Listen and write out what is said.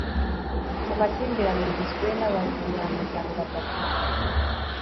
amakimbirane rugizwe n abanyamuryango batatu